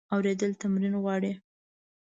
اورېدل تمرین غواړي.